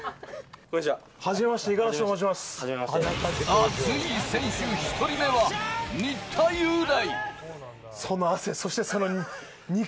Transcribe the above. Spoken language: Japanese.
アツい選手、１人目は新田祐大。